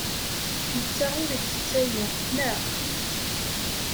Netta ur ittett aya, naɣ?